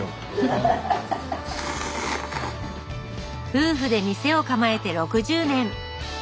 夫婦で店を構えて６０年。